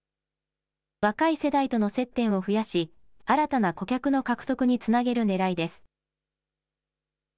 若い世代との接点を増やし新たな顧客の獲得につなげるねらいです。